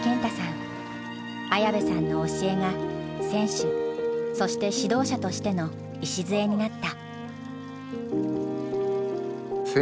綾部さんの教えが選手そして指導者としての礎になった。